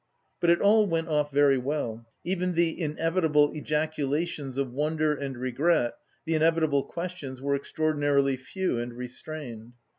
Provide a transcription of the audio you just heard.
But it all went off very well; even the inevitable ejaculations of wonder and regret, the inevitable questions were extraordinarily few and restrained.